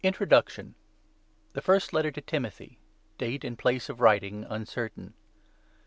TO TIMOTHY I. THE FIRST LETTER TO TIMOTHY. [DATE AND PLACE OF WRITING UNCERTAIN.